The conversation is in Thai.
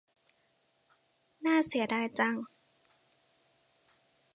น่าเสียดายจัง